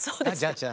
じゃあ。